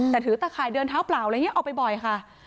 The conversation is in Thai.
แต่ถือตาข่ายเดินเท้าปลาออกไปบ่อยค่ะ